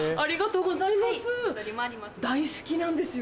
大好きなんですよ。